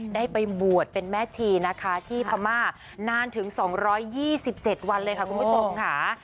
ได้ไปบวชเป็นแม่ชีนะคะที่พม่านานถึง๒๒๗วันเลยค่ะคุณผู้ชมค่ะ